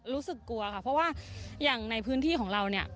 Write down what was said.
รู้สึกกลัวค่ะเพราะว่าอย่างในพื้นที่ของเราเนี่ย